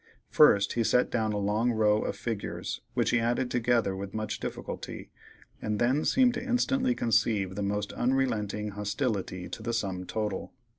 First he set down a long row of figures, which he added together with much difficulty, and then seemed to instantly conceive the most unrelenting hostility to the sum total.